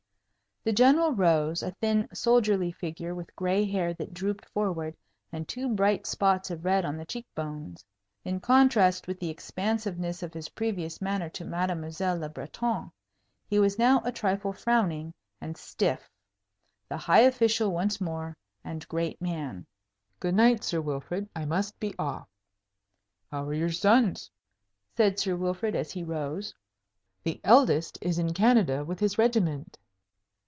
The General rose, a thin, soldierly figure, with gray hair that drooped forward, and two bright spots of red on the cheek bones. In contrast with the expansiveness of his previous manner to Mademoiselle Le Breton, he was now a trifle frowning and stiff the high official once more, and great man. "Good night, Sir Wilfrid. I must be off." "How are your sons?" said Sir Wilfrid, as he rose. "The eldest is in Canada with his regiment."